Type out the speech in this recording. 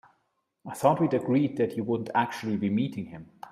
I thought we'd agreed that you wouldn't actually be meeting him?